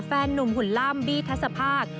แฟนนุ่มหุ่นล่ำบี้ทัศภาค